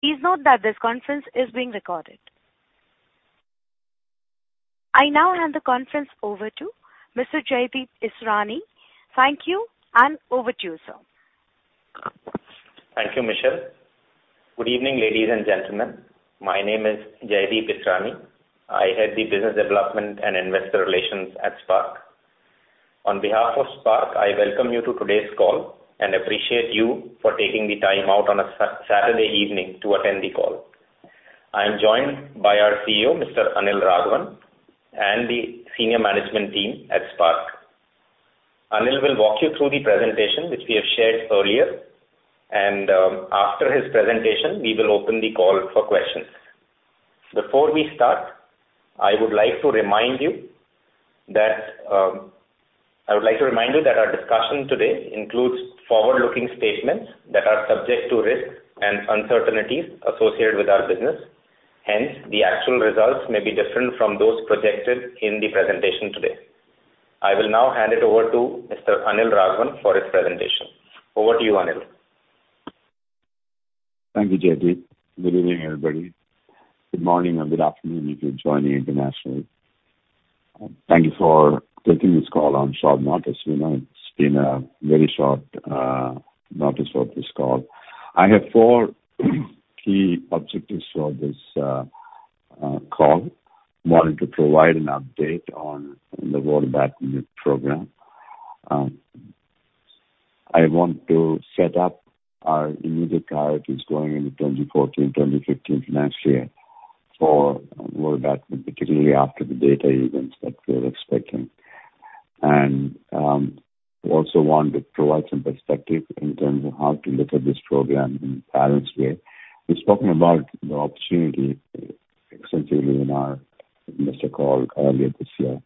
Please note that this conference is being recorded. I now hand the conference over to Mr. Jaydeep Israni. Thank you, and over to you, sir. Thank you, Michelle. Good evening ladies and gentlemen. My name is Jaydeep Israni. I head the Business Development and Investor Relations at SPARC. On behalf of SPARC, I welcome you to today's call and appreciate you for taking the time out on a Saturday evening to attend the call. I am joined by our CEO, Mr. Anil Raghavan, and the senior management team at SPARC. Anil will walk you through the presentation, which we have shared earlier, and, after his presentation, we will open the call for questions. Before we start, I would like to remind you that, I would like to remind you that our discussion today includes forward-looking statements that are subject to risks and uncertainties associated with our business. Hence, the actual results may be different from those projected in the presentation today. I will now hand it over to Mr. Anil Raghavan for his presentation. Over to you, Anil. Thank you, Jaydeep. Good evening, everybody. Good morning or good afternoon, if you're joining internationally. Thank you for taking this call on short notice. We know it's been a very short notice for this call. I have four key objectives for this call. One, to provide an update on the Vodobatinib program. I want to set up our immediate priorities going into 2014, 2015 financial year for Vodobatinib, particularly after the data events that we are expecting. And, we also want to provide some perspective in terms of how to look at this program in balanced way. We've spoken about the opportunity extensively in our investor call earlier this year.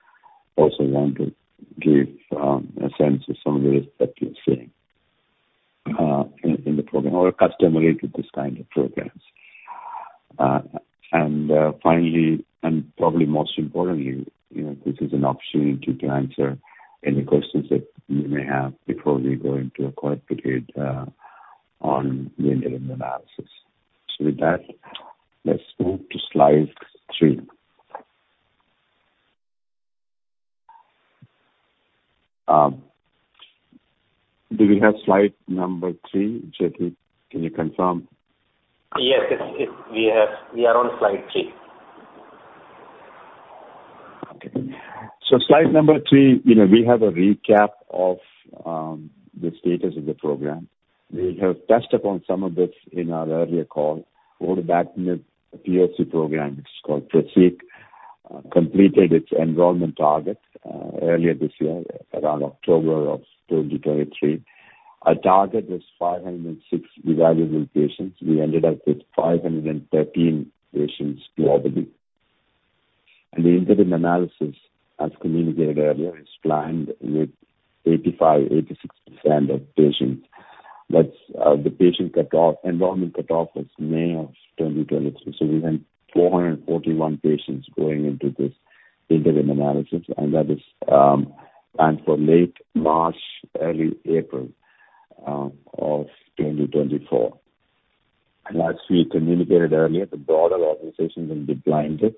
Also want to give a sense of some of the risks that we're seeing in the program or associated with this kind of programs. And finally, and probably most importantly, you know, this is an opportunity to answer any questions that you may have before we go into a quiet period on the interim analysis. With that, let's move to Slide 3. Do we have Slide number 3, Jaydeep? Can you confirm? Yes. We have. We are on slide 3. Okay. So Slide number 3, you know, we have a recap of the status of the program. We have touched upon some of this in our earlier call, Vodobatinib POC program, it's called PROSEEK, completed its enrollment target earlier this year, around October of 2023. Our target was 506 evaluable patients. We ended up with 513 patients globally. And the interim analysis, as communicated earlier, is planned with 85%-86% of patients. But the patient cutoff, enrollment cutoff is May of 2023. So we have 441 patients going into this interim analysis, and that is planned for late March, early April of 2024. And as we communicated earlier, the broader organization will be blinded.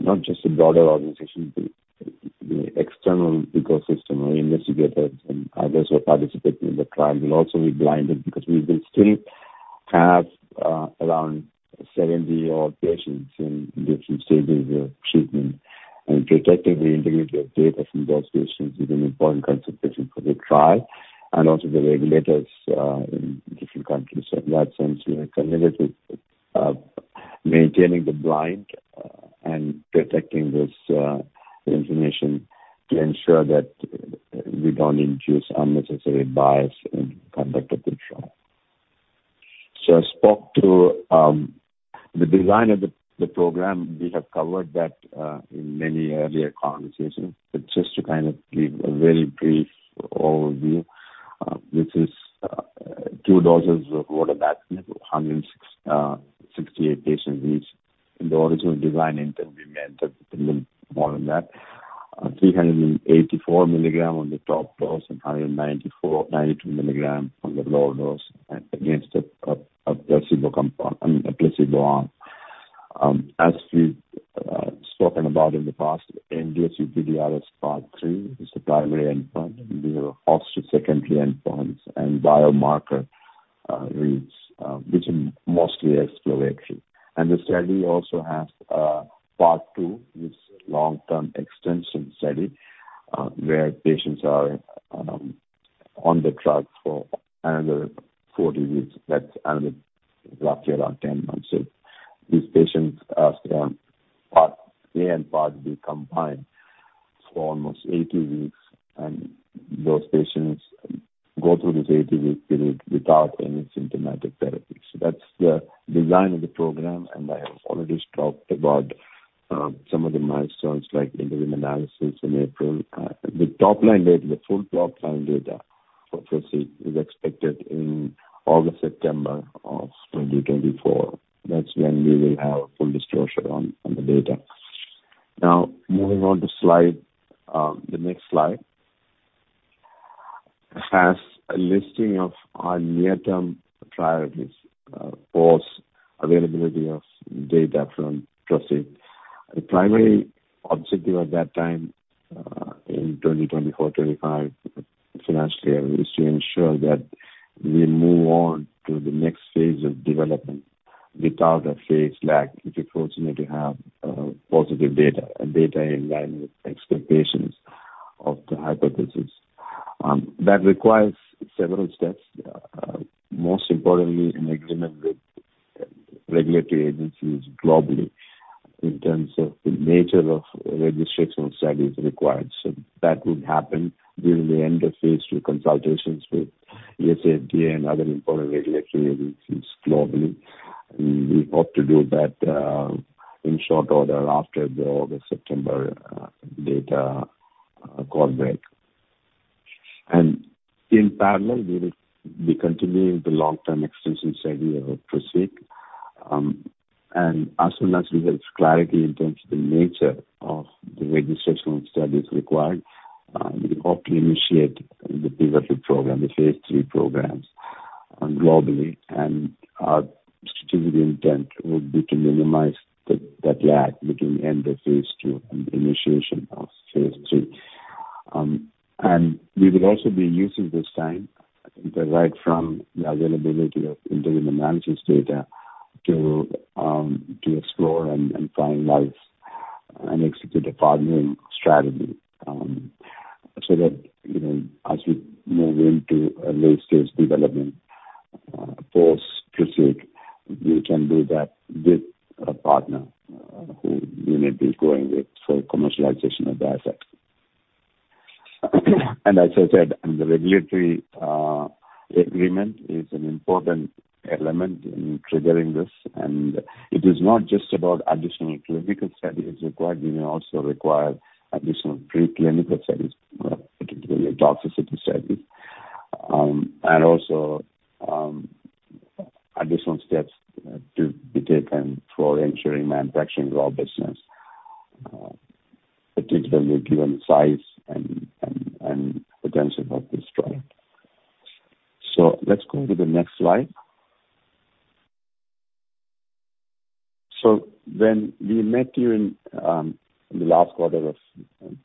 Not just the broader organization, the external ecosystem or investigators and others who are participating in the trial will also be blinded because we will still have around 70-odd patients in different stages of treatment. And protecting the integrity of data from those patients is an important consideration for the trial and also the regulators in different countries. So in that sense, we are committed maintaining the blind and protecting this information to ensure that we don't induce unnecessary bias in conduct of the trial. So I spoke to the design of the program. We have covered that in many earlier conversations, but just to kind of give a very brief overview, this is two doses of Vodobatinib, 106 and 68 patients each. In the original design interim, we entered a little more than that. 384 mg on the top dose, and 192 mg on the lower dose against a placebo compound, a placebo arm. As we've spoken about in the past, MDS-UPDRS Part III is the primary endpoint. We have also secondary endpoints and biomarker reads, which are mostly exploration. The study also has a Part II, this long-term extension study, where patients are on the drug for another 40 weeks. That's another roughly around 10 months. So these patients are still on Part A and Part B combined for almost 80 weeks, and those patients go through this 80-week period without any symptomatic therapy. So that's the design of the program, and I have already talked about some of the milestones, like the interim analysis in April. The top-line data, the full top-line data for PROSEEK is expected in August, September of 2024. That's when we will have full disclosure on the data. Now, moving on to slide, the next slide has a listing of our near-term priorities post availability of data from PROSEEK. The primary objective at that time, in 2024, 2025, financially, is to ensure that we move on to the next phase of development without a phase lag, which is fortunate to have positive data and data in line with expectations of the hypothesis. That requires several steps. Most importantly, an agreement with regulatory agencies globally in terms of the nature of registration studies required. So that would happen during the end of Phase II consultations with FDA and other important regulatory agencies globally. We hope to do that in short order after the August, September data call break. And in parallel, we will be continuing the long-term extension study of PROSEEK. And as soon as we have clarity in terms of the nature of the registrational studies required, we hope to initiate the pivotal program, the Phase III programs globally. And our strategic intent would be to minimize the, that lag between end of Phase II and initiation of Phase III. And we will also be using this time right from the availability of independent analysis data to explore and finalize and execute a partnering strategy, so that, you know, as we move into a late stage development post PROSEEK, we can do that with a partner who we may be going with for commercialization of the asset. And as I said, the regulatory agreement is an important element in triggering this. And it is not just about additional clinical studies required. We may also require additional preclinical studies, particularly toxicity studies, and also additional steps to be taken for ensuring manufacturing robustness, particularly given the size and potential of this product. So let's go to the next slide. So when we met you in the last quarter of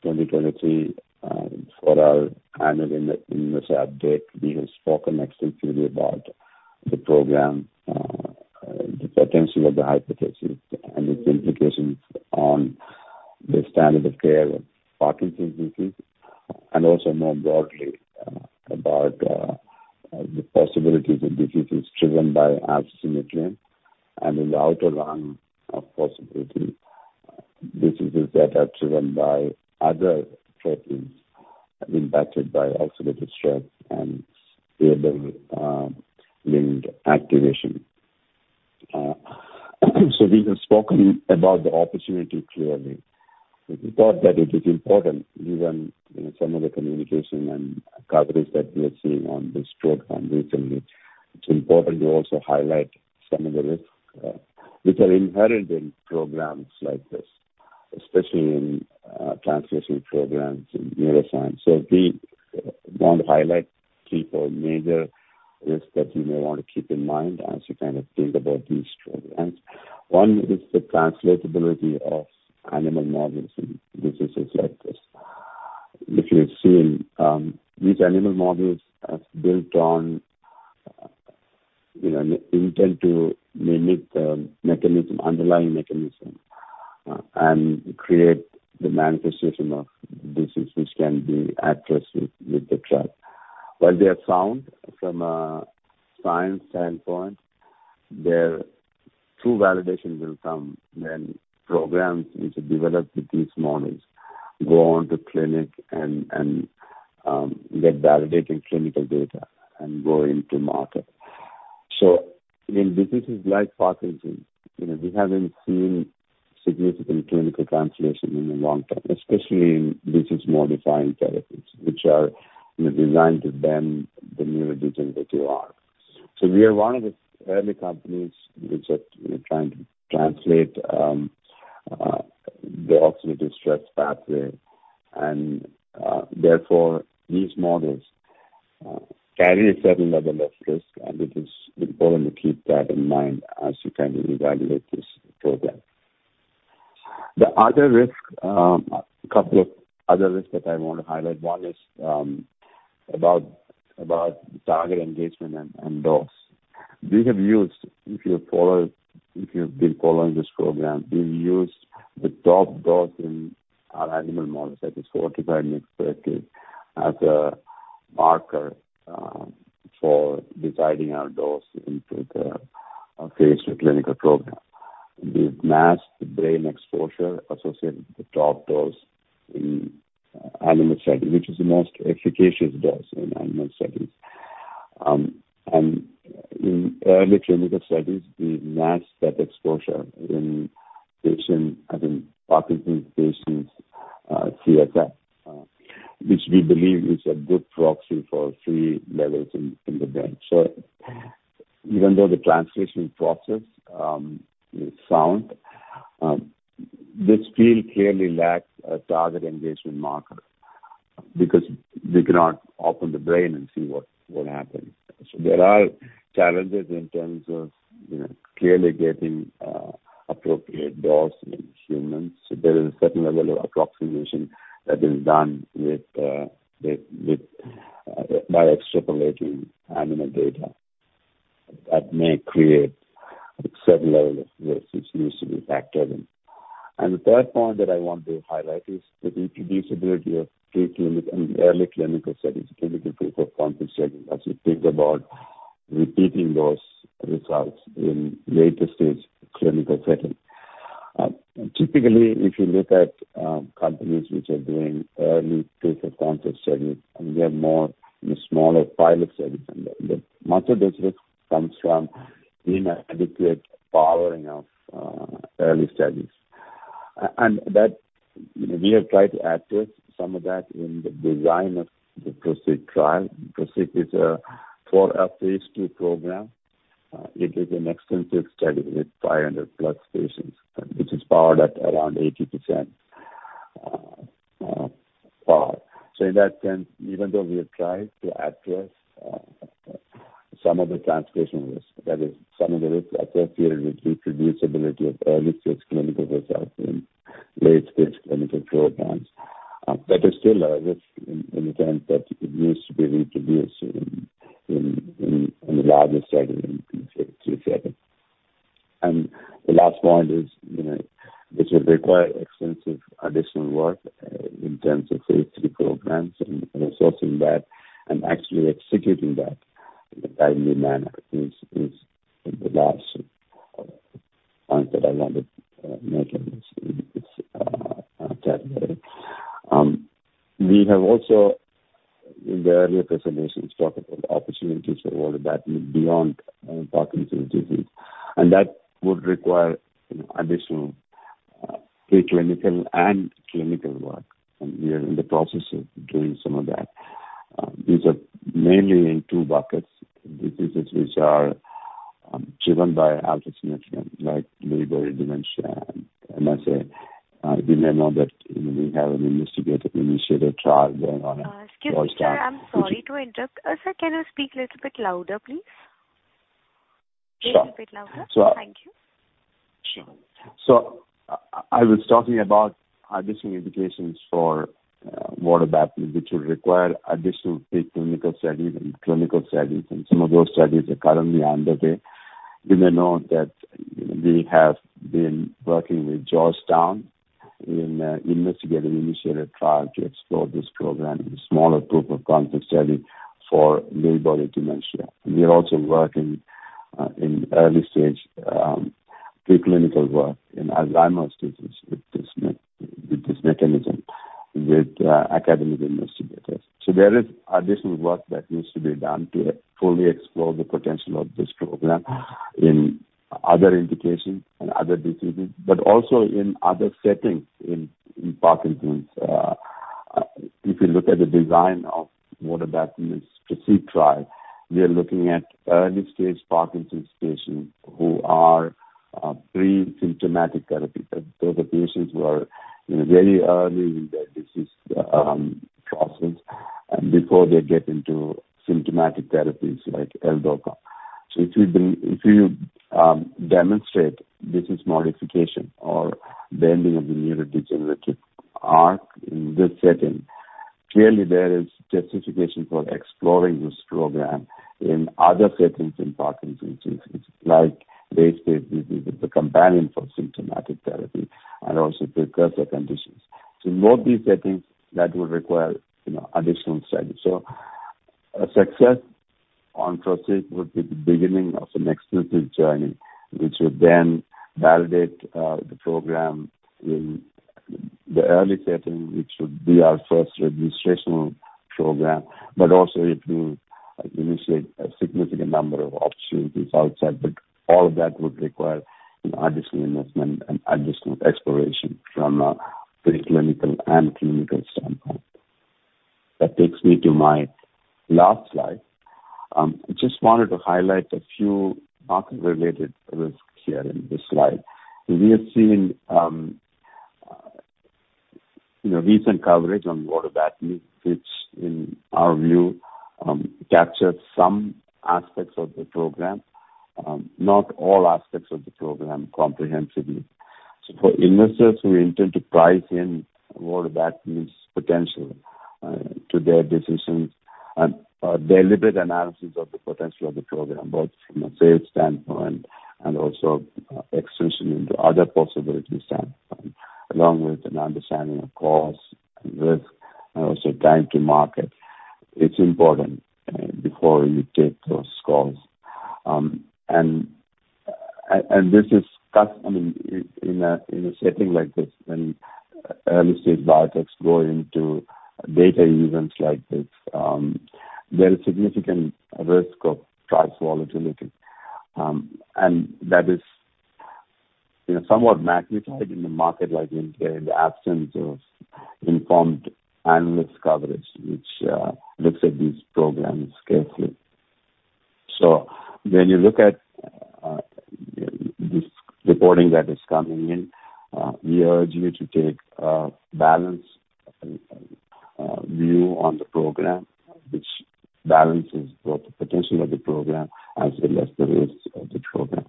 2023, for our annual investor update, we have spoken extensively about the program, the potential of the hypothesis and its implications on the standard of care of Parkinson's disease, and also more broadly, about the possibilities of diseases driven by asymmetry, and in the outer line of possibility, diseases that are driven by other proteins impacted by oxidative stress and GBA-linked activation. So we have spoken about the opportunity clearly. We thought that it is important, given, you know, some of the communication and coverage that we are seeing on this program recently, it's important to also highlight some of the risks, which are inherent in programs like this, especially in translation programs in neuroscience. We want to highlight three or four major risks that you may want to keep in mind as you kind of think about these programs. One is the translatability of animal models in diseases like this. If you've seen, these animal models are built on, you know, intent to mimic the mechanism, underlying mechanism, and create the manifestation of diseases which can be addressed with the trial. While they are sound from a science standpoint, their true validation will come when programs which are developed with these models go on to clinic and get validated clinical data and go into market. In diseases like Parkinson's, you know, we haven't seen significant clinical translation in the long term, especially in disease-modifying therapies, which are, you know, designed to bend the neurodegenerative arc. So we are one of the early companies which are, you know, trying to translate, the oxidative stress pathway, and, therefore, these models, carry a certain level of risk, and it is important to keep that in mind as you kind of evaluate this program. The other risk, a couple of other risks that I want to highlight. One is, about, about target engagement and, and dose. We have used, if you have followed, if you've been following this program, we've used the top dose in our animal models, that is 45 mg/kg, as a marker, for deciding our dose into the, Phase II clinical program. The mass, the brain exposure associated with the top dose in animal study, which is the most efficacious dose in animal studies. In early clinical studies, the max that exposure in patients, I think, Parkinson's patients, CSF, which we believe is a good proxy for free levels in the brain. So even though the translation process is sound. This field clearly lacks a target engagement marker, because we cannot open the brain and see what happens. So there are challenges in terms of, you know, clearly getting appropriate dose in humans. So there is a certain level of approximation that is done with by extrapolating animal data. That may create a certain level of risk, which needs to be factored in. The third point that I want to highlight is the reproducibility of pre-clinical and early clinical studies, clinical proof of concept studies, as you think about repeating those results in later stage clinical setting. Typically, if you look at companies which are doing early proof of concept studies, and they are more in the smaller pilot studies, and the most of this risk comes from inadequate powering of early studies. And that we have tried to address some of that in the design of the PROSEEK trial. PROSEEK is a Phase II program. It is an extensive study with 500+ patients, which is powered at around 80% power. So in that sense, even though we have tried to address some of the translational risk, that is some of the risk associated with reproducibility of early-stage clinical results in late-stage clinical programs, there is still a risk in the larger study in Phase III setting. And the last point is, you know, this will require extensive additional work in terms of Phase III programs and resourcing that and actually executing that in a timely manner is, is the last point that I wanted to make in this time here. We have also, in the earlier presentations, talked about the opportunities for Vodobatinib beyond Parkinson's disease, and that would require, you know, additional preclinical and clinical work, and we are in the process of doing some of that. These are mainly in two buckets, the diseases which are driven by alpha-synuclein, like Lewy body dementia. And I say, you may know that we have an investigator-initiated trial going on- Excuse me, sir, I'm sorry to interrupt. Sir, can you speak little bit louder, please? Sure. Little bit louder. Sure. Thank you. Sure. So I was talking about additional indications for Vodobatinib, which will require additional preclinical studies and clinical studies, and some of those studies are currently underway. You may know that we have been working with Georgetown in an investigator-initiated trial to explore this program in a smaller proof of concept study for Lewy body dementia. We are also working in early stage preclinical work in Alzheimer's disease with this mechanism, with academic investigators. So there is additional work that needs to be done to fully explore the potential of this program in other indications and other diseases, but also in other settings in Parkinson's. If you look at the design of Vodobatinib's PROSEEK trial, we are looking at early-stage Parkinson's patients who are pre-symptomatic therapies. Those are patients who are in a very early in their disease process and before they get into symptomatic therapies like L-DOPA. So if you bring, if you demonstrate disease modification or bending of the neurodegenerative arc in this setting, clearly there is justification for exploring this program in other settings in Parkinson's disease. It's like late-stage disease with the companion for symptomatic therapy and also precursor conditions. So in all these settings, that will require, you know, additional studies. So a success on PROSEEK would be the beginning of an extensive journey, which would then validate the program in the early setting, which would be our first registrational program, but also it will initiate a significant number of opportunities outside, but all of that would require an additional investment and additional exploration from a preclinical and clinical standpoint. That takes me to my last slide. I just wanted to highlight a few market-related risks here in this slide. We have seen, you know, recent coverage on Vodobatinib, which in our view, captured some aspects of the program, not all aspects of the program comprehensively. So for investors who intend to price in Vodobatinib's potential to their decisions and deliberate analysis of the potential of the program, both from a sales standpoint and also extension into other possibilities standpoint, along with an understanding of cost and risk and also time to market, it's important before you take those calls. And this is, I mean, in a setting like this, when early-stage biotechs go into data events like this, there is significant risk of price volatility. And that is, you know, somewhat magnified in the market like in, the absence of informed analyst coverage, which, looks at these programs carefully. So when you look at, this reporting that is coming in, we urge you to take a balanced, view on the program, which balances both the potential of the program as well as the risks of the program.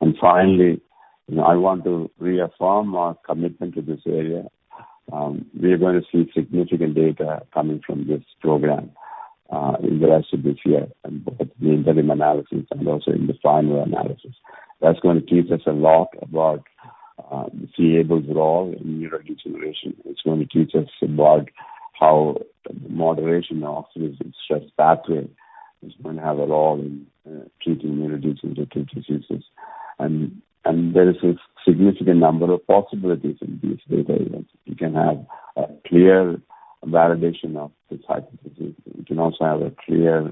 And finally, you know, I want to reaffirm our commitment to this area. We are going to see significant data coming from this program, in the rest of this year, and both the interim analysis and also in the final analysis. That's going to teach us a lot about, the c-Abl role in neurodegeneration. It's going to teach us about how moderation of stress pathway is going to have a role in, treating neurodegenerative diseases. There is a significant number of possibilities in these data events. You can have a clear validation of this hypothesis. You can also have a clear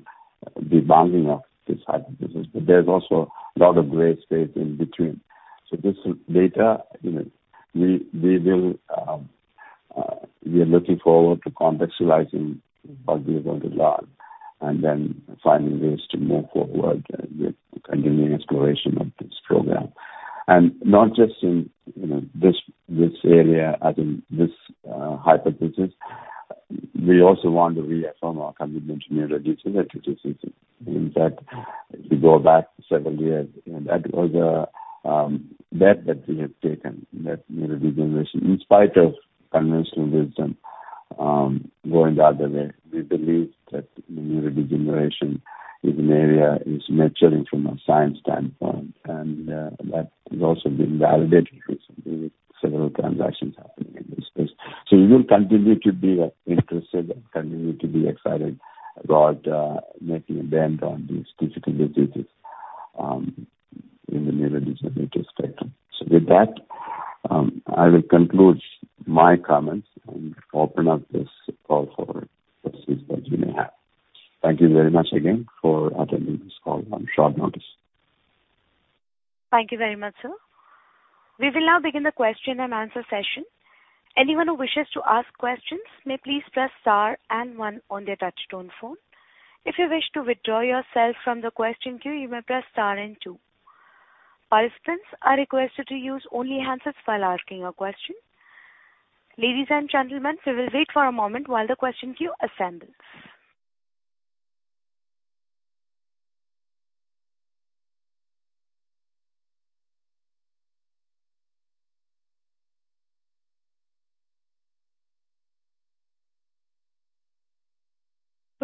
debunking of this hypothesis, but there's also a lot of gray space in between. So this data, you know, we are looking forward to contextualizing what we have learned, and then finding ways to move forward with continuing exploration of this program. And not just in, you know, this area, I think, this hypothesis. We also want to reaffirm our commitment to neurodegenerative diseases. In fact, if you go back several years, you know, that was a bet that we have taken, that neurodegeneration, in spite of conventional wisdom, going the other way. We believe that neurodegeneration is an area is maturing from a science standpoint, and that has also been validated recently with several transactions happening in this space. So we will continue to be interested and continue to be excited about making a dent on these difficult diseases in the neurodegenerative spectrum. So with that, I will conclude my comments and open up this call for questions that you may have. Thank you very much again for attending this call on short notice. Thank you very much, sir. We will now begin the Q&A session. Anyone who wishes to ask questions may please press star and one on their touchtone phone. If you wish to withdraw yourself from the question queue, you may press star and two. Participants are requested to use only handsets while asking a question. Ladies and gentlemen, we will wait for a moment while the question queue assembles.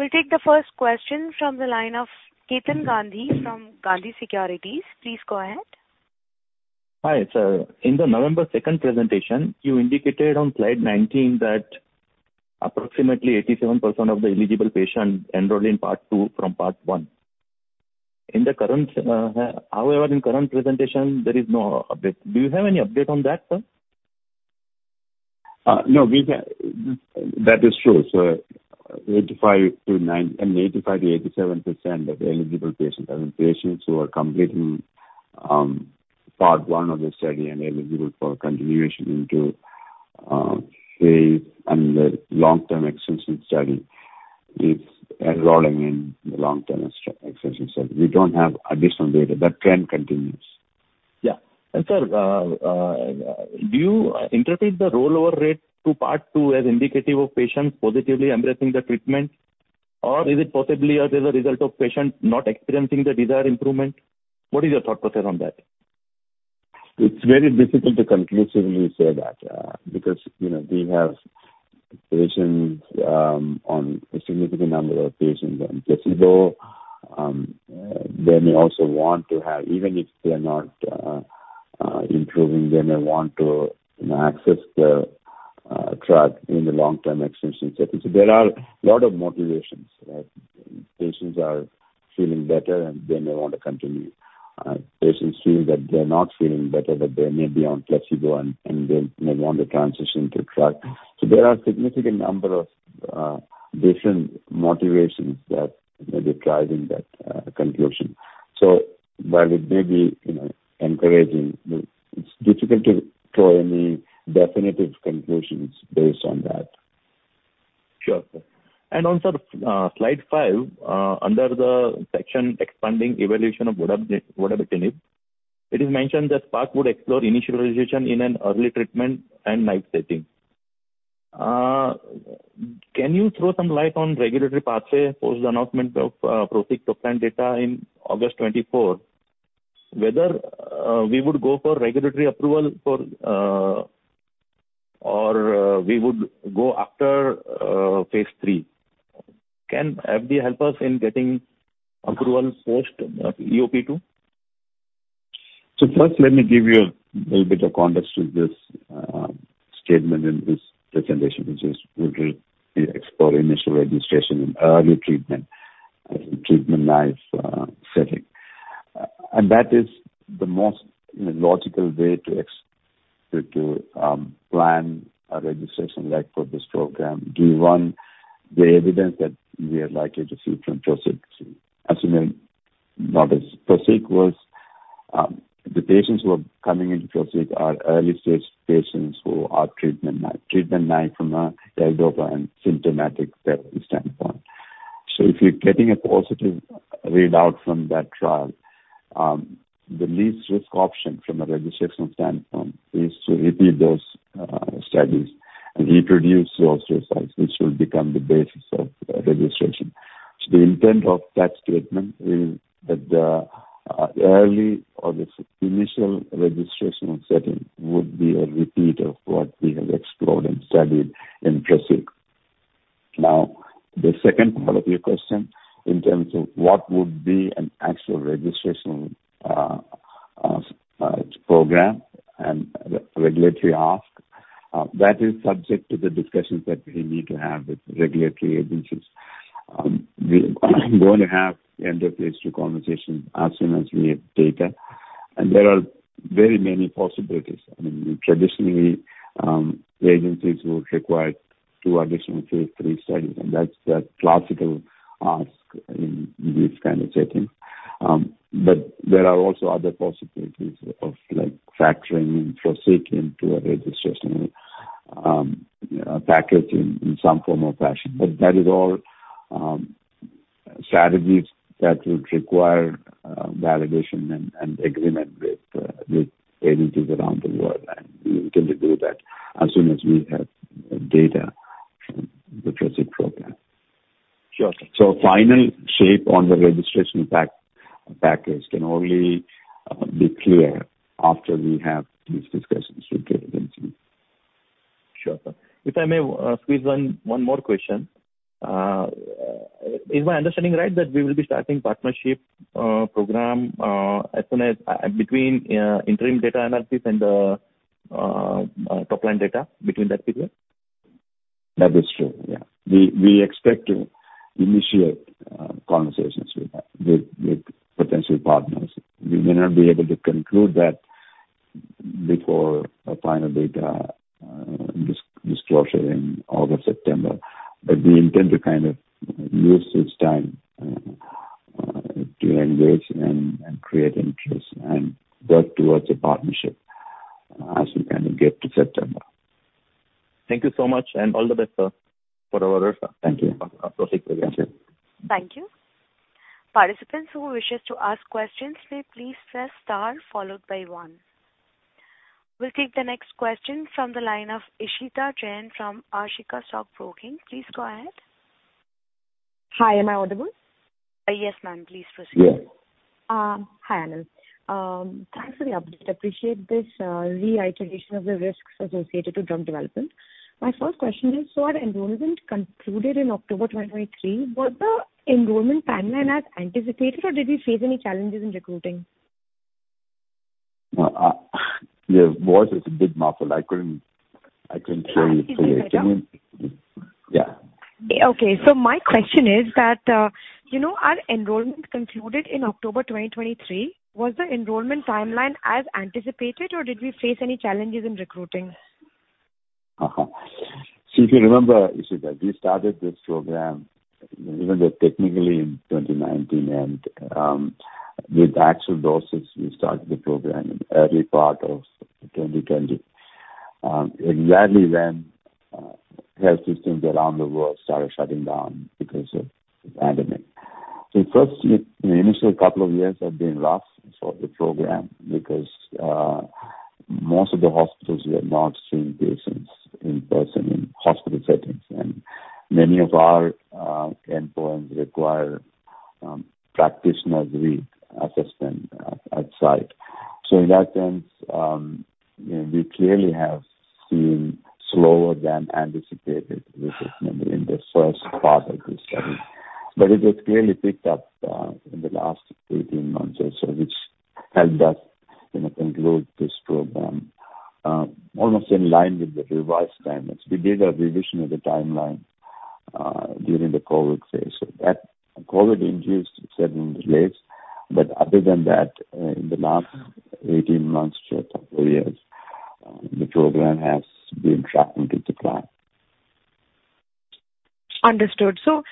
We'll take the first question from the line of Ketan Gandhi from Gandhi Securities. Please go ahead. Hi, sir. In the November 2nd presentation, you indicated on Slide 19 that approximately 87% of the eligible patients enrolled in part II from part I. In the current, however, in current presentation, there is no update. Do you have any update on that, sir? No, we have. That is true sir, 85%-87% of the eligible patients, and patients who are completing, part I of the study and eligible for continuation into phase and the long-term extension study, is enrolling in the long-term extension study. We don't have additional data. That trend continues. Yeah. And, sir, do you interpret the rollover rate to part II as indicative of patients positively embracing the treatment? Or is it possibly as a result of patients not experiencing the desired improvement? What is your thought process on that? It's very difficult to conclusively say that, because, you know, we have patients, on a significant number of patients on placebo. They may also want to have, even if they are not, improving, they may want to, you know, access the, track in the long-term extension study. So there are a lot of motivations, right? Patients are feeling better, and they may want to continue. Patients feel that they're not feeling better, but they may be on placebo, and, and they may want to transition to track. So there are a significant number of, different motivations that may be driving that, conclusion. So while it may be, you know, encouraging, you know, it's difficult to draw any definitive conclusions based on that. Sure, sir. On, sir, Slide 5, under the section expanding evaluation of Vodobatinib, it is mentioned that SPARC would explore initial registration in an early treatment and life setting. Can you throw some light on regulatory pathway post the announcement of PROSEEK top line data in August 2024? Whether we would go for regulatory approval for, or we would go after Phase III. Can FDA help us in getting approval post EOP2? So first, let me give you a little bit of context to this statement in this presentation, which is, we will be exploring initial registration in early treatment life setting. And that is the most, you know, logical way to plan a registration like for this program, given the evidence that we are likely to see from PROSEEK. The patients who are coming into PROSEEK are early-stage patients who are treatment naive from a L-DOPA and symptomatic standpoint. So if you're getting a positive readout from that trial, the least risk option from a registration standpoint is to repeat those studies and introduce those results, which will become the basis of registration. So the intent of that statement is that the early or the initial registrational setting would be a repeat of what we have explored and studied in PROSEEK. Now, the second part of your question, in terms of what would be an actual registration program and regulatory ask, that is subject to the discussions that we need to have with regulatory agencies. We are going to have in-depth conversation as soon as we have data, and there are very many possibilities. I mean, traditionally, the agencies will require 2 additional Phase III studies, and that's the classical ask in this kind of setting. But there are also other possibilities of, like, factoring in PROSEEK into a registration package in some form or fashion. But that is all strategies that would require validation and agreement with agencies around the world, and we can do that as soon as we have data from the PROSEEK program. Sure. So final shape on the registration package can only be clear after we have these discussions with the agency. Sure, sir. If I may, squeeze one more question. Is my understanding right, that we will be starting partnership program, as soon as between interim data analysis and top line data, between that period? That is true, yeah. We expect to initiate conversations with potential partners. We may not be able to conclude that before a final data disclosure in August, September, but we intend to kind of use this time to engage and create interest and work towards a partnership as we kind of get to September. Thank you so much, and all the best, sir, for our results. Thank you. Thank you. Thank you. Participants who wishes to ask questions, may please press Star followed by one. We'll take the next question from the line of Ishita Jain from Ashika Stock Broking. Please go ahead. Hi, am I audible? Yes, ma'am. Please proceed. Yes. Hi, Anil. Thanks for the update. I appreciate this reiteration of the risks associated to drug development. My first question is: so our enrollment concluded in October 2023, was the enrollment timeline as anticipated, or did we face any challenges in recruiting? Your voice is a bit muffled. I couldn't hear you clearly. Sorry, is that better? Yeah. Okay. So my question is that, you know, our enrollment concluded in October 2023. Was the enrollment timeline as anticipated, or did we face any challenges in recruiting? Uh-huh. So if you remember, Ishita, we started this program, even though technically in 2019, and, with actual doses, we started the program in the early part of 2020. Exactly when, health systems around the world started shutting down because of the pandemic. So the first year, the initial couple of years have been rough for the program because, most of the hospitals were not seeing patients in person in hospital settings, and many of our, endpoints require, practitioners with assistant outside. So in that sense, you know, we clearly have seen slower than anticipated recruitment in the first part of the study. But it has clearly picked up, in the last 18 months or so, which helped us, you know, conclude this program, almost in line with the revised timelines. We did a revision of the timeline during the COVID phase, so that COVID-induced certain delays, but other than that, in the last 18 months to 2 years, the program has been tracking to the plan. Understood. So,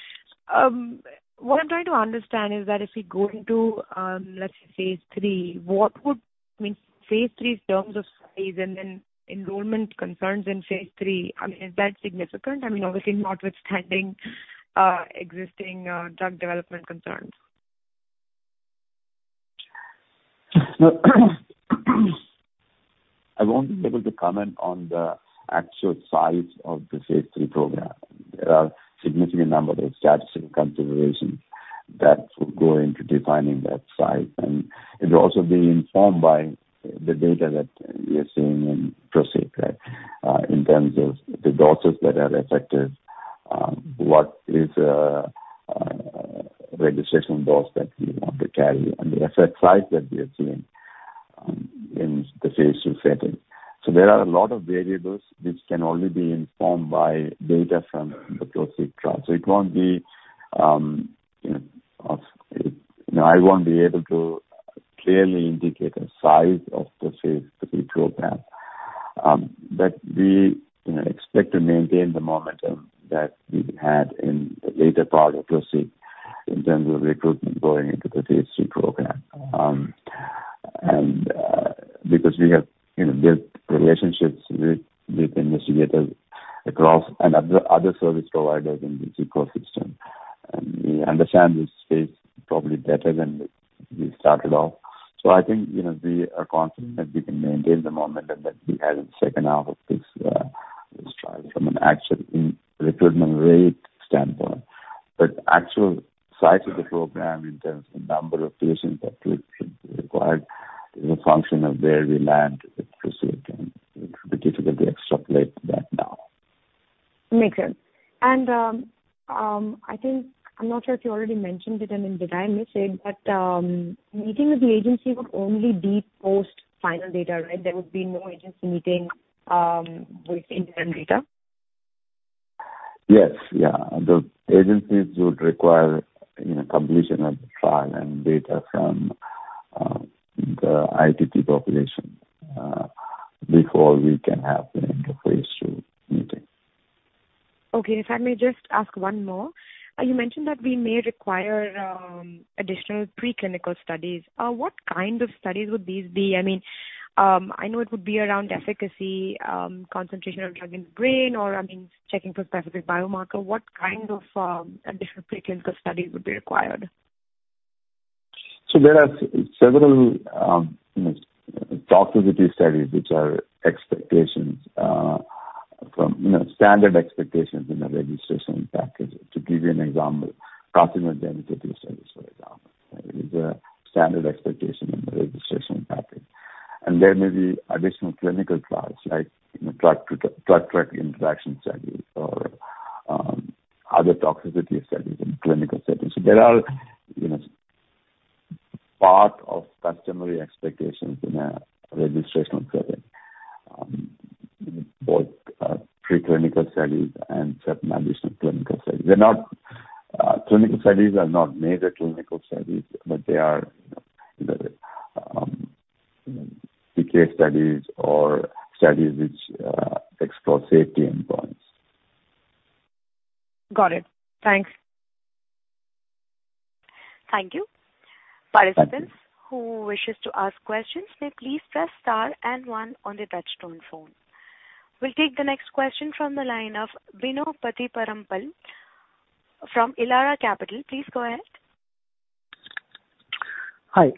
what I'm trying to understand is that if we go into, let's say Phase III, I mean, Phase III in terms of size and then enrollment concerns in Phase III, I mean, is that significant? I mean, obviously notwithstanding existing drug development concerns. Look, I won't be able to comment on the actual size of the Phase III program. There are significant number of statistical considerations that will go into defining that size, and it will also be informed by the data that we are seeing in PROSEEK, right? In terms of the doses that are effective, what is, registration dose that we want to carry and the effect size that we are seeing, in the Phase II setting. So there are a lot of variables which can only be informed by data from the PROSEEK trial. So it won't be, you know, I won't be able to clearly indicate the size of the Phase III program.... But we, you know, expect to maintain the momentum that we've had in the later part of PROSEEK in terms of recruitment going into the Phase II program. And because we have, you know, built relationships with investigators across and other service providers in this ecosystem, and we understand this space probably better than we started off. So I think, you know, we are confident that we can maintain the momentum that we had in the H2 of this trial from an actual recruitment rate standpoint. But actual size of the program in terms of the number of patients that we require is a function of where we land with PROSEEK, and it would be difficult to extrapolate that now. Makes sense. I think, I'm not sure if you already mentioned it, and did I miss it, but, meeting with the agency would only be post final data, right? There would be no agency meeting, with interim data. Yes. Yeah. The agencies would require, you know, completion of the trial and data from the ITT population before we can have an end of Phase II meeting. Okay. If I may just ask one more. You mentioned that we may require additional preclinical studies. What kind of studies would these be? I mean, I know it would be around efficacy, concentration of drug in the brain, or, I mean, checking for specific biomarker. What kind of additional preclinical studies would be required? There are several, you know, toxicity studies which are expectations, from, you know, standard expectations in the registration package. To give you an example, pharmacogenomic studies, for example. It is a standard expectation in the registration package. There may be additional clinical trials, like, you know, drug-drug interaction studies or, other toxicity studies in clinical settings. There are, you know, part of customary expectations in a registrational setting, both, preclinical studies and certain additional clinical studies. They're not, clinical studies are not major clinical studies, but they are, you know, you know, PK studies or studies which, explore safety endpoints. Got it. Thanks. Thank you. Thank you. Participants who wish to ask questions, may please press star and one on their touchtone phone. We'll take the next question from the line of Bino Pathiparampil from Elara Capital. Please go ahead. Hi.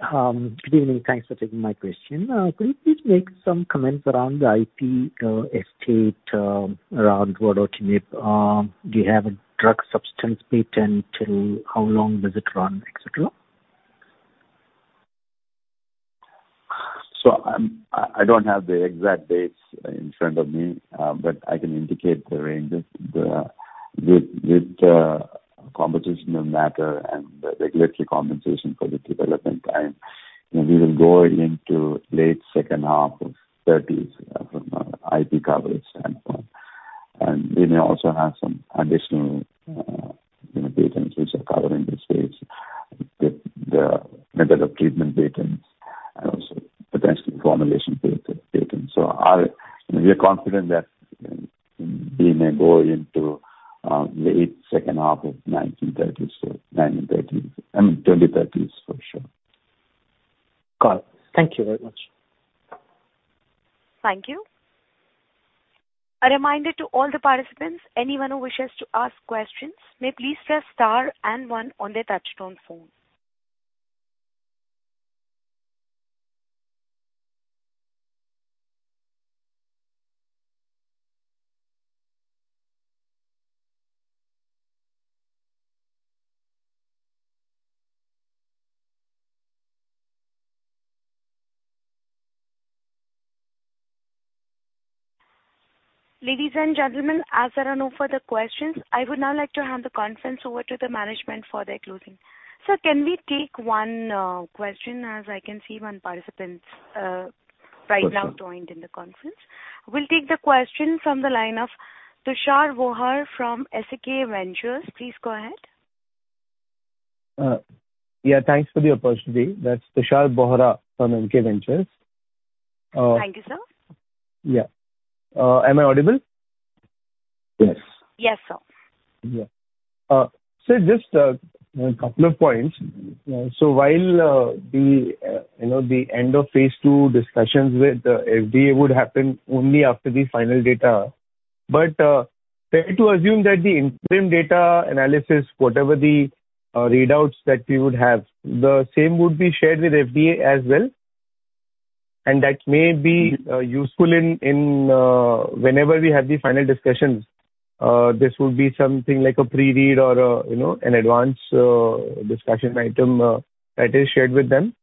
Good evening. Thanks for taking my question. Could you please make some comments around the IP estate around Vodobatinib? Do you have a drug substance patent, and till how long does it run, et cetera? So, I don't have the exact dates in front of me, but I can indicate the ranges. The, with competition and matter and the regulatory compensation for the development time, you know, we will go into late H2 of thirties from an IP coverage standpoint. And we may also have some additional, you know, patents which are covered in this space, with the method of treatment patents and also potential formulation patents. So, you know, we are confident that we may go into late H2 of nineteen thirties, so nineteen thirties, I mean, twenty thirties, for sure. Got it. Thank you very much. Thank you. A reminder to all the participants, anyone who wishes to ask questions, may please press star and one on their touchtone phone. Ladies and gentlemen, as there are no further questions, I would now like to hand the conference over to the management for their closing. Sir, can we take one question, as I can see one participant right now joined in the conference? We'll take the question from the line of Tushar Bohra from MK Ventures. Please go ahead. Yeah, thanks for the opportunity. That's Tushar Bohra from MK Ventures. Thank you, sir. Yeah. Am I audible? Yes. Yes, sir. Yeah. So just, a couple of points. So while, the, you know, the end of Phase II discussions with the FDA would happen only after the final data, but, fair to assume that the interim data analysis, whatever the, readouts that we would have, the same would be shared with FDA as well? And that may be, useful in, in, whenever we have the final discussions, this would be something like a pre-read or a, you know, an advance, discussion item, that is shared with them.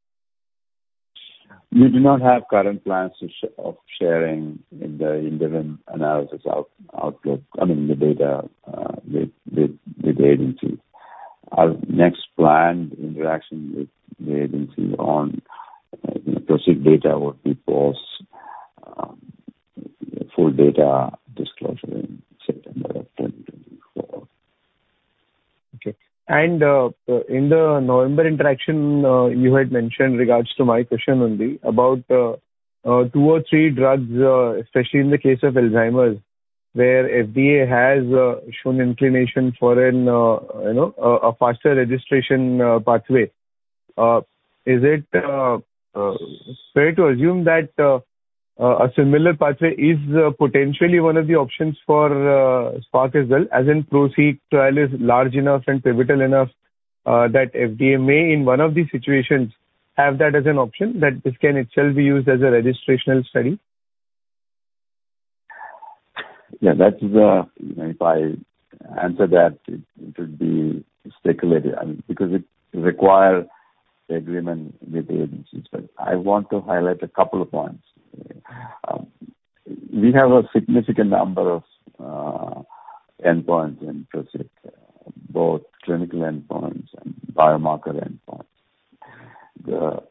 We do not have current plans to share the interim analysis outlook, I mean, the data, with the agency. Our next planned interaction with the agency on PROSEEK data will be post full data disclosure in September of 2023.... Okay. And, in the November interaction, you had mentioned regards to my question only, about, two or three drugs, especially in the case of Alzheimer's, where FDA has shown inclination for an, you know, a faster registration pathway. Is it fair to assume that a similar pathway is potentially one of the options for SPARC as well, as in PROSEEK trial is large enough and pivotal enough, that FDA may, in one of these situations, have that as an option, that this can itself be used as a registrational study? Yeah, that is, if I answer that, it would be speculative, because it require agreement with the agencies. But I want to highlight a couple of points. We have a significant number of endpoints in PROSEEK, both clinical endpoints and biomarker endpoints. The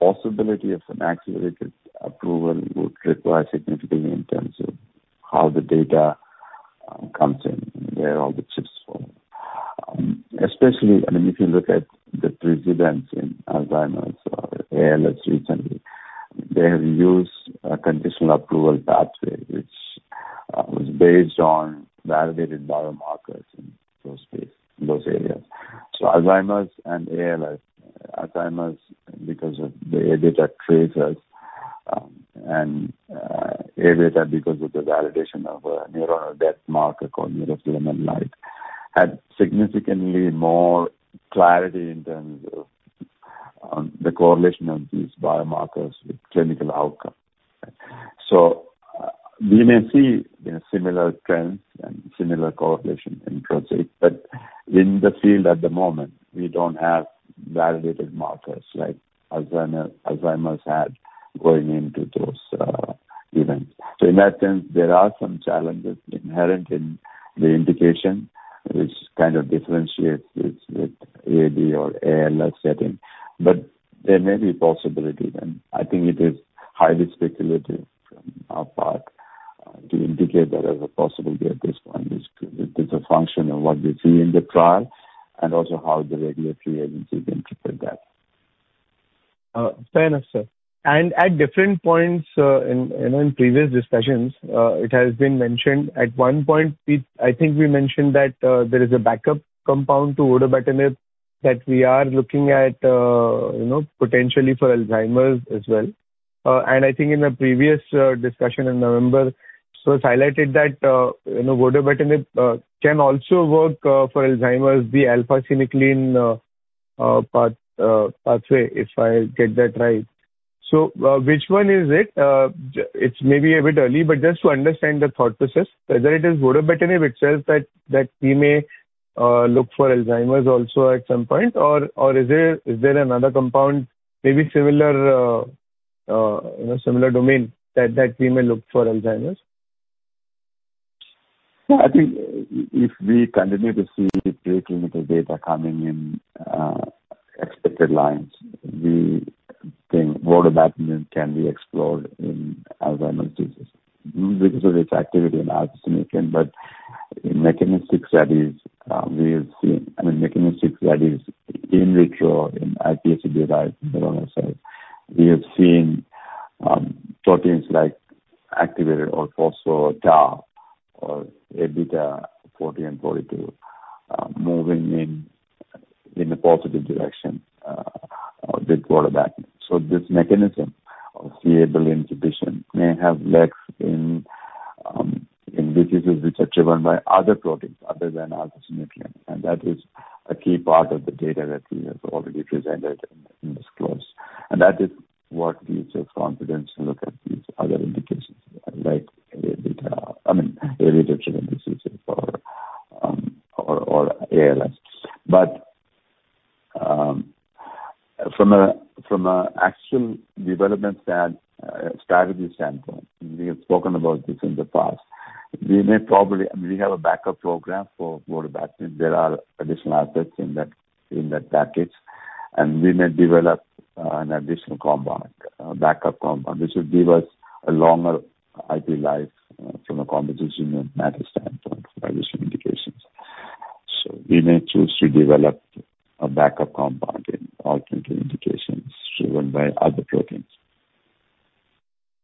possibility of an accelerated approval would require significant intensive, how the data comes in, and where all the chips fall. Especially, I mean, if you look at the precedents in Alzheimer's or ALS recently, they have used a conditional approval pathway, which was based on validated biomarkers in those space, those areas. So Alzheimer's and ALS. Alzheimer's, because of the AD data traces, and AD data because of the validation of neuronal death marker called neurofilament light, had significantly more clarity in terms of the correlation of these biomarkers with clinical outcome. So we may see, you know, similar trends and similar correlation in PROSEEK, but in the field at the moment, we don't have validated markers like Alzheimer's, Alzheimer's had going into those events. So in that sense, there are some challenges inherent in the indication, which kind of differentiates this with AD or ALS setting, but there may be possibility, then. I think it is highly speculative from our part to indicate that as a possibility at this point. It's a function of what we see in the trial and also how the regulatory agencies interpret that. Fair enough, sir. And at different points, you know, in previous discussions, it has been mentioned, at one point, we—I think we mentioned that, there is a backup compound to Vodobatinib, that we are looking at, you know, potentially for Alzheimer's as well. And I think in a previous discussion in November, so it's highlighted that, you know, Vodobatinib can also work for Alzheimer's, the alpha-synuclein pathway, if I get that right. So, which one is it? It's maybe a bit early, but just to understand the thought process, whether it is Vodobatinib itself that we may look for Alzheimer's also at some point, or is there another compound, maybe similar, you know, similar domain that we may look for Alzheimer's? Yeah. I think if we continue to see preclinical data coming in expected lines, we think Vodobatinib can be explored in Alzheimer's disease because of its activity in alpha-synuclein. But in mechanistic studies, I mean, mechanistic studies in vitro, in iPSC-derived neuronal cells, we have seen proteins like activated or phospho-Tau or A beta 40 and 42 moving in a positive direction with Vodobatinib. So this mechanism of c-Abl inhibition may have legs in diseases which are driven by other proteins other than alpha-synuclein, and that is a key part of the data that we have already presented and disclosed. And that is what gives us confidence to look at these other indications, like A beta, I mean, A beta driven diseases or ALS. But from an actual development standpoint, strategy standpoint, we have spoken about this in the past, we may probably... I mean, we have a backup program for Vodobatinib. There are additional assets in that package, and we may develop an additional compound, backup compound. This will give us a longer IP life from a competition and matters standpoint for additional indications. So we may choose to develop a backup compound in all clinical indications driven by other proteins.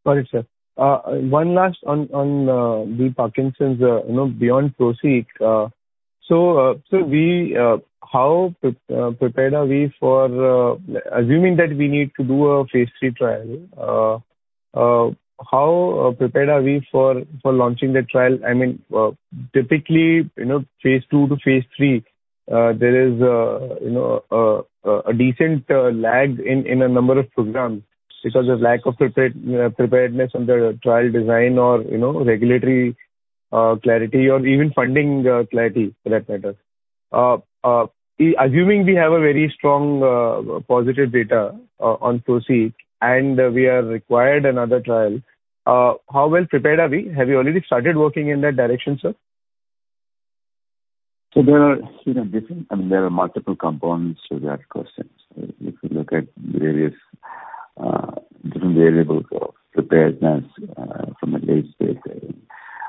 Got it, sir. One last on the Parkinson's, you know, beyond PROSEEK. So, how prepared are we for... Assuming that we need to do a Phase III trial, how prepared are we for launching the trial? I mean, typically, you know, Phase II to Phase II, there is, you know, a decent lag in a number of programs because of lack of preparedness on the trial design or, you know, regulatory clarity or even funding clarity, for that matter. Assuming we have a very strong positive data on PROSEEK, and we are required another trial, how well prepared are we? Have you already started working in that direction, sir? So there are, you know, different—I mean, there are multiple compounds, so we have questions. If you look at various... different variables of preparedness from a late-stage setting.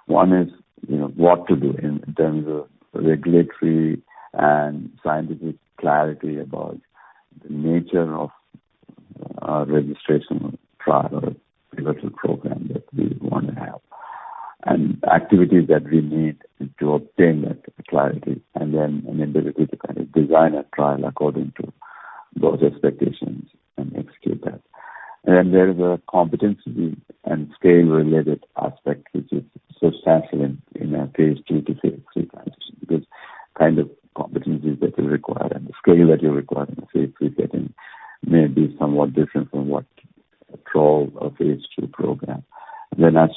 One is, you know, what to do in terms of regulatory and scientific clarity about the nature of our registration trial or regulatory program that we want to have, and activities that we need to obtain that clarity, and then the ability to kind of design a trial according to those expectations and execute that. And then there is a competency and scale-related aspect, which is substantial in our Phase II to Phase III transition, because kind of competencies that are required and the scale that you're requiring in Phase III setting may be somewhat different from what a trial or Phase II program. Then, as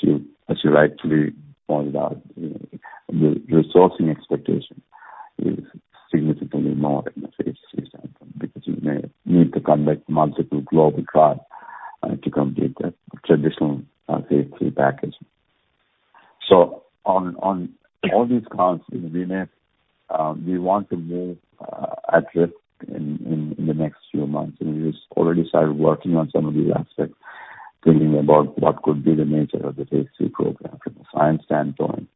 you rightly pointed out, the resourcing expectation is significantly more than the Phase III sample, because you may need to conduct multiple global trials to complete the traditional Phase III package. So on all these counts, we may we want to move at risk in the next few months, and we just already started working on some of these aspects, thinking about what could be the nature of the Phase III program from a science standpoint,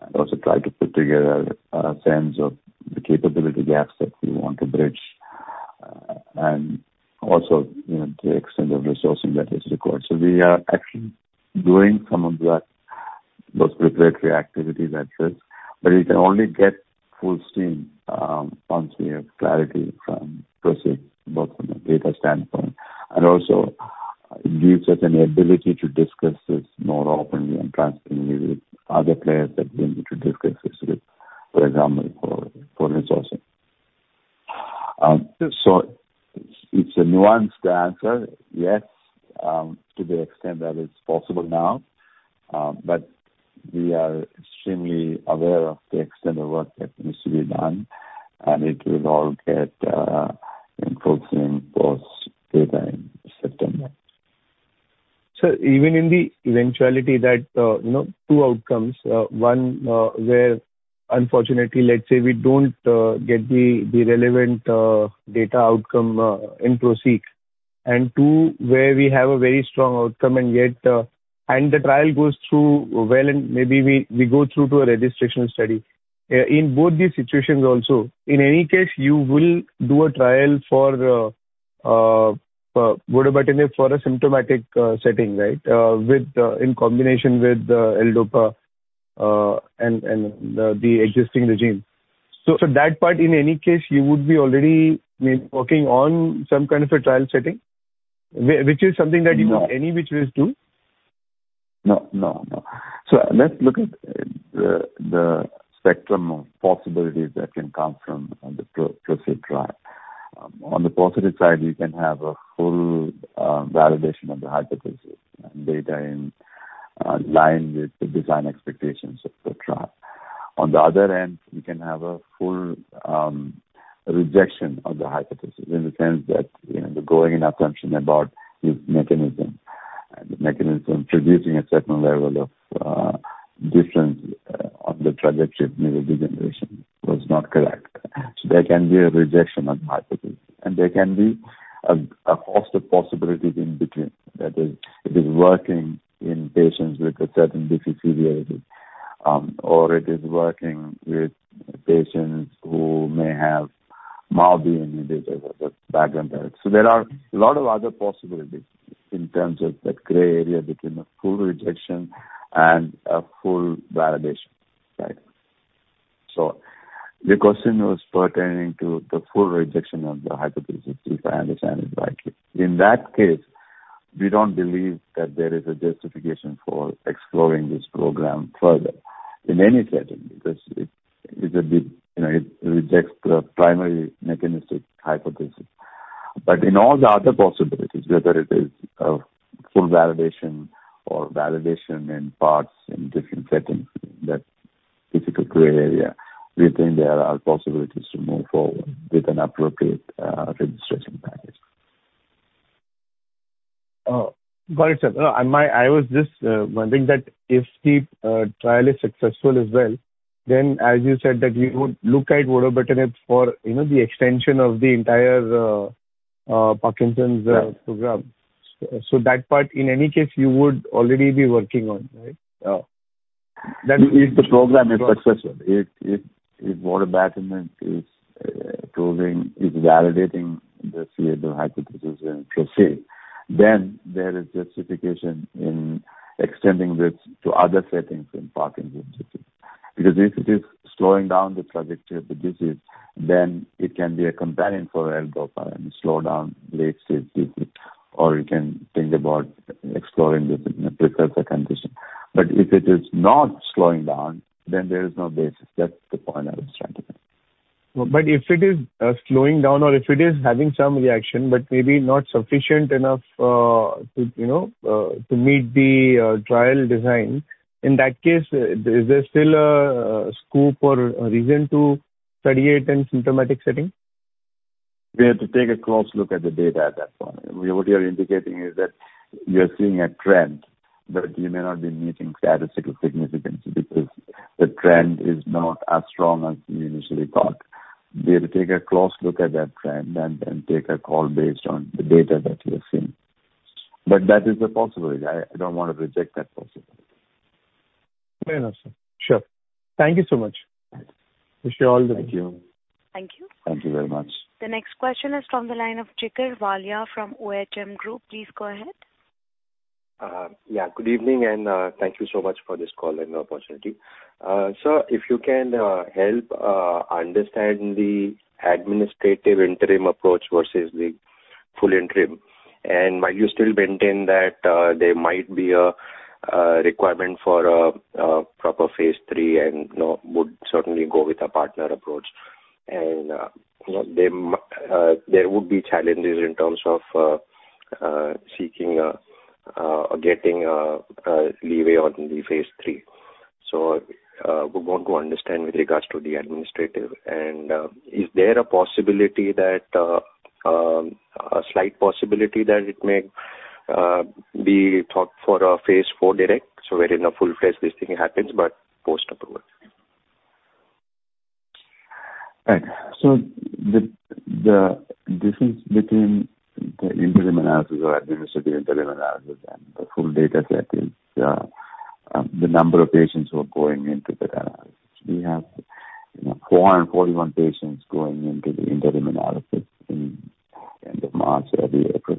and also try to put together a sense of the capability gaps that we want to bridge, and also, you know, the extent of resourcing that is required. So we are actually doing some of that, those regulatory activities at risk, but you can only get full steam, once we have clarity from PROSEEK, both from a data standpoint, and also it gives us an ability to discuss this more openly and transparently with other players that we need to discuss this with, for example, for resourcing. So it's a nuanced answer. Yes, to the extent that it's possible now, but we are extremely aware of the extent of work that needs to be done, and it will all get in full swing post-data in September. So even in the eventuality that, you know, two outcomes, one, where unfortunately, let's say we don't get the relevant data outcome in PROSEEK, and two, where we have a very strong outcome and yet, and the trial goes through well, and maybe we go through to a registrational study. In both these situations also, in any case, you will do a trial for Vodobatinib for a symptomatic setting, right? In combination with L-DOPA and the existing regimen. So that part, in any case, you would be already maybe working on some kind of a trial setting, which is something that you would any which way do? No, no, no. So let's look at the spectrum of possibilities that can come from the PROSEEK trial. On the positive side, we can have a full validation of the hypothesis and data in line with the design expectations of the trial. On the other end, we can have a full rejection of the hypothesis in the sense that, you know, the going assumption about this mechanism, and the mechanism producing a certain level of difference on the trajectory of neurodegeneration was not correct. So there can be a rejection of the hypothesis, and there can be a host of possibilities in between. That is, it is working in patients with a certain difficulty or it is working with patients who may have mild being individual with background disease. So there are a lot of other possibilities in terms of that gray area between a full rejection and a full validation, right? So the question was pertaining to the full rejection of the hypothesis, if I understand it rightly. In that case, we don't believe that there is a justification for exploring this program further in any setting, because it, it's a bit, you know, it rejects the primary mechanistic hypothesis. But in all the other possibilities, whether it is a full validation or validation in parts in different settings, that difficult gray area, we think there are possibilities to move forward with an appropriate registration package. Got it. No, I was just wondering that if the trial is successful as well, then, as you said, that we would look at Vodobatinib for, you know, the extension of the entire Parkinson's program. So that part, in any case, you would already be working on, right? Yeah. That's- If the program is successful, if Vodobatinib is proving is validating the c-Abl hypothesis in PROSEEK, then there is justification in extending this to other settings in Parkinson's disease. Because if it is slowing down the trajectory of the disease, then it can be a companion for L-DOPA and slow down late stage disease, or you can think about exploring this in a precursor condition. But if it is not slowing down, then there is no basis. That's the point I was trying to make. But if it is slowing down or if it is having some reaction, but maybe not sufficient enough, to you know, to meet the trial design, in that case, is there still a scope or a reason to study it in symptomatic setting? We have to take a close look at the data at that point. What you're indicating is that you're seeing a trend, but you may not be meeting statistical significance because the trend is not as strong as we initially thought.... We have to take a close look at that trend and, and take a call based on the data that we are seeing. But that is a possibility. I, I don't want to reject that possibility. Fair enough, sir. Sure. Thank you so much. Wish you all the best. Thank you. Thank you. Thank you very much. The next question is from the line of Jigar Walia from OHM Group. Please go ahead. Yeah, good evening, and thank you so much for this call and the opportunity. Sir, if you can help understand the administrative interim approach versus the full interim, and might you still maintain that there might be a requirement for a proper Phase III, and, you know, would certainly go with a partner approach? You know, there would be challenges in terms of seeking getting leeway on the Phase III. So, we want to understand with regards to the administrative, and is there a possibility that a slight possibility that it may be talked for a Phase IV direct, so wherein a full phase this thing happens, but post-approval? Right. So the difference between the interim analysis or administrative interim analysis and the full data set is the number of patients who are going into the analysis. We have, you know, 441 patients going into the interim analysis in end of March, early April,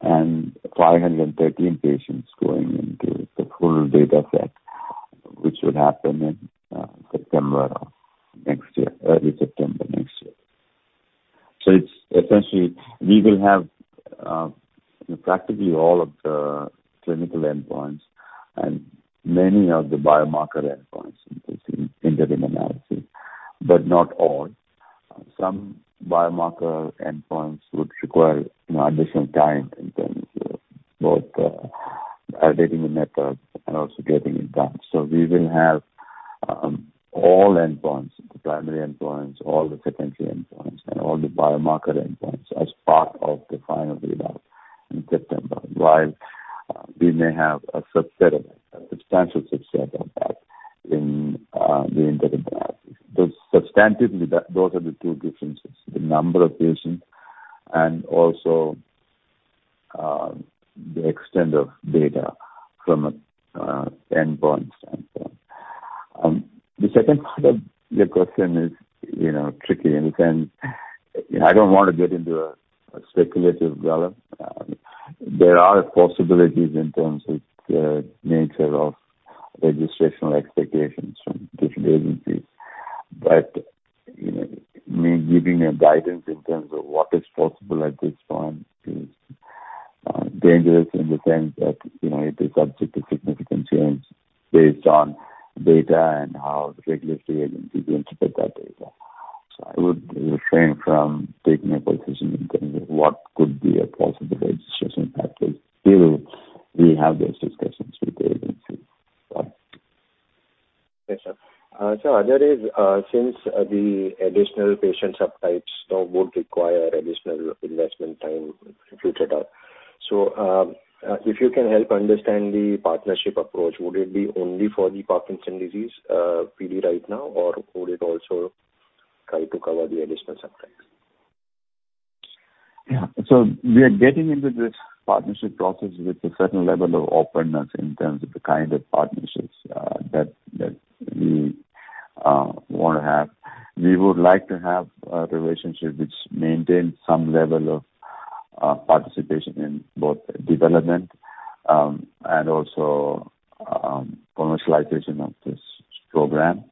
and 513 patients going into the full data set, which would happen in September of next year, early September next year. So it's essentially we will have practically all of the clinical endpoints and many of the biomarker endpoints in the interim analysis, but not all. Some biomarker endpoints would require, you know, additional time in terms of both validating the method and also getting it done. So we will have all endpoints, the primary endpoints, all the secondary endpoints, and all the biomarker endpoints as part of the final readout in September. While we may have a subset of... a substantial subset of that in the interim analysis. But substantively, that- those are the two differences, the number of patients and also the extent of data from endpoints standpoint. The second part of your question is, you know, tricky, and we can... I don't want to get into a, a speculative development. There are possibilities in terms of nature of registrational expectations from different agencies, but, you know, me giving a guidance in terms of what is possible at this point is dangerous in the sense that, you know, it is subject to significant change based on data and how the regulatory agencies interpret that data. I would refrain from taking a position in terms of what could be a possible registration pathway till we have those discussions with the agency. Yes, sir. Sir, there is since the additional patient subtypes now would require additional investment time if you set up. So, if you can help understand the partnership approach, would it be only for the Parkinson's disease, PD right now, or would it also try to cover the additional subtypes? Yeah. So we are getting into this partnership process with a certain level of openness in terms of the kind of partnerships that we want to have. We would like to have a relationship which maintains some level of participation in both development and also commercialization of this program,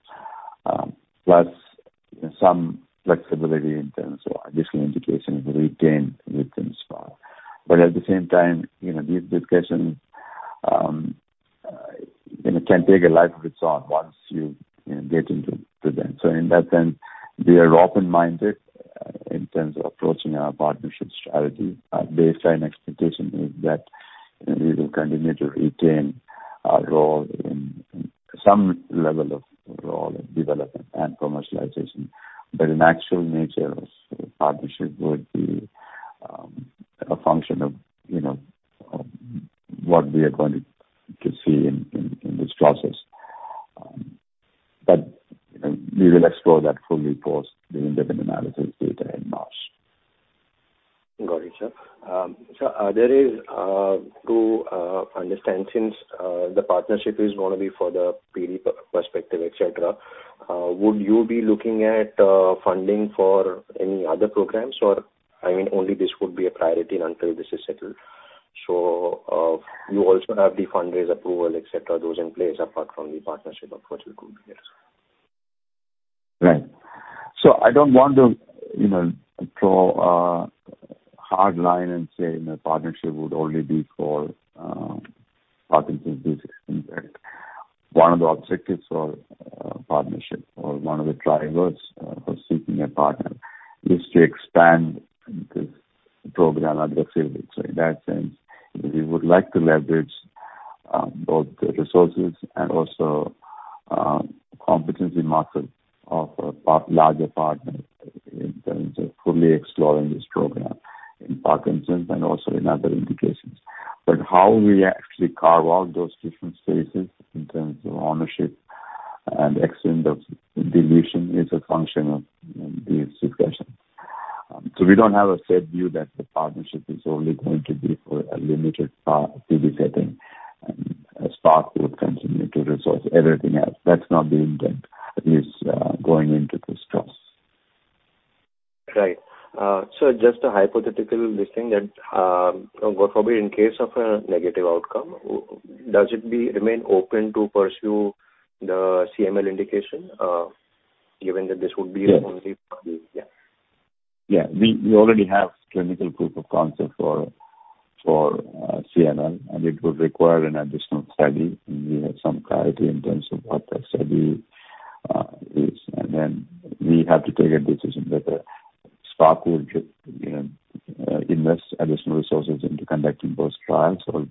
plus some flexibility in terms of additional indications we retain within SPA. But at the same time, you know, these discussions, you know, can take a life of its own once you, you know, get into them. So in that sense, we are open-minded in terms of approaching our partnership strategy. Our baseline expectation is that we will continue to retain our role in some level of role in development and commercialization. But the natural nature of partnership would be a function of, you know, what we are going to see in this process. But you know, we will explore that fully post the interim analysis data in March. Got it, sir. Sir, to understand, since the partnership is gonna be for the PD perspective, et cetera, would you be looking at funding for any other programs? Or, I mean, only this would be a priority until this is settled. So, you also have the fundraise approval, et cetera, those in place, apart from the partnership approach you could get. Right. So I don't want to, you know, draw a hard line and say my partnership would only be for Parkinson's disease. In fact, one of the objectives for partnership or one of the drivers for seeking a partner is to expand this program aggressively. So in that sense, we would like to leverage both the resources and also competency market of a part, larger partner fully exploring this program in Parkinson's and also in other indications. But how we actually carve out those different spaces in terms of ownership and extent of dilution is a function of these discussions. So we don't have a set view that the partnership is only going to be for a limited part, phase setting, and SPARC will continue to resource everything else. That's not the intent, at least, going into this trust. Right. So just a hypothetical listing that, what probably in case of a negative outcome, does it remain open to pursue the CML indication, given that this would be- Yes. Only, yeah. Yeah. We already have clinical proof of concept for CML, and it would require an additional study, and we have some clarity in terms of what that study is. And then we have to take a decision whether SPARC will just, you know, invest additional resources into conducting those trials or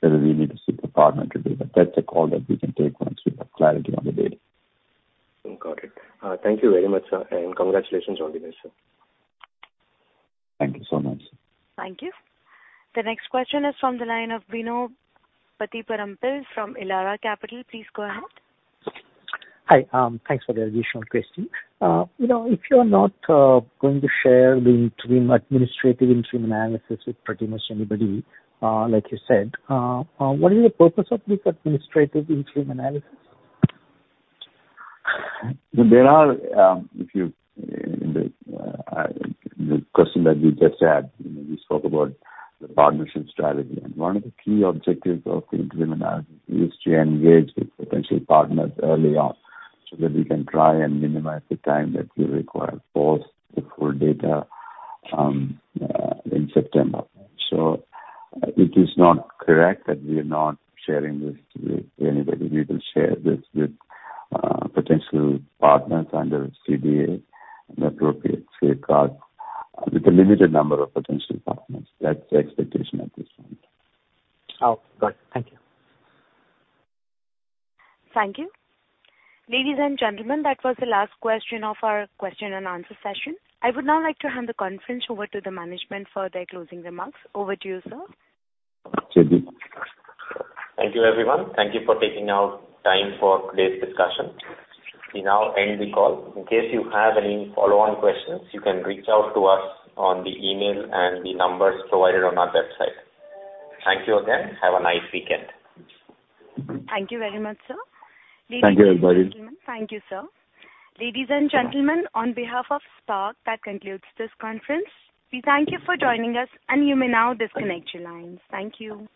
whether we need to seek a partner to do that. That's a call that we can take once we have clarity on the data. Got it. Thank you very much, sir, and congratulations on this, sir. Thank you so much. Thank you. The next question is from the line of Bino Pathiparampil from Elara Capital. Please go ahead. Hi. Thanks for the additional question. You know, if you're not going to share the interim administrative interim analysis with pretty much anybody, like you said, what is the purpose of this administrative interim analysis? The question that you just asked, you know, we spoke about the partnership strategy, and one of the key objectives of the interim analysis is to engage with potential partners early on, so that we can try and minimize the time that we require post the full data, in September. So it is not correct that we are not sharing this with anybody. We will share this with potential partners under CDA and appropriate safeguards with a limited number of potential partners. That's the expectation at this point. Oh, got it. Thank you. Thank you. Ladies and gentlemen, that was the last question of our Q&A session. I would now like to hand the conference over to the management for their closing remarks. Over to you, sir. Thank you. Thank you, everyone. Thank you for taking out time for today's discussion. We now end the call. In case you have any follow-on questions, you can reach out to us on the email and the numbers provided on our website. Thank you again. Have a nice weekend. Thank you very much, sir. Thank you, everybody. Thank you, sir. Ladies and gentlemen, on behalf of SPARC, that concludes this conference. We thank you for joining us, and you may now disconnect your lines. Thank you.